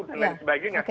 dan lain sebagainya